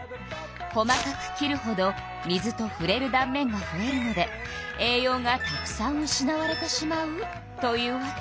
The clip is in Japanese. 細かく切るほど水とふれるだん面がふえるので栄養がたくさん失われてしまうというわけ。